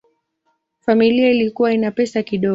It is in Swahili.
Familia ilikuwa ina pesa kidogo.